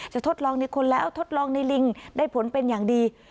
ทดลองในคนแล้วทดลองในลิงได้ผลเป็นอย่างดี